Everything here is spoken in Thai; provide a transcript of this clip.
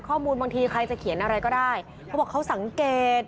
ข้อมูลบางทีใครจะเขียนอะไรก็ได้เค้าบอกว่าเค้าสังเกต